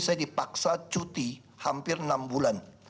saya dipaksa cuti hampir enam bulan